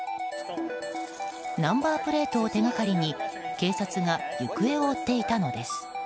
ナンバープレートを手掛かりに警察が行方を追っていたのです。